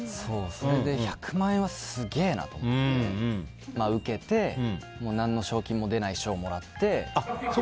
それで１００万円はすげえなと思って受けて何の賞金も出ない賞をもらって。